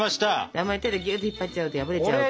あんまり手でぎゅっと引っ張っちゃうと破れちゃうから。